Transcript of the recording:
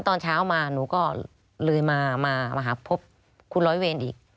ตอนเช้ามาหนูก็เลยมาหาพบคุณร้อยเวรอีก